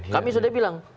kami sudah bilang